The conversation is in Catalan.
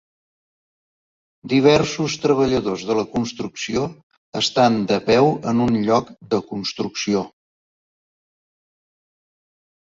Diversos treballadors de la construcció estan de peu en un lloc de construcció.